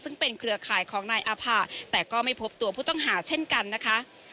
ซึ่งเป็นเครือข่ายของนายอาผะแต่ก็ไม่พบตัวผู้ต้องหาเช่นกันนะคะ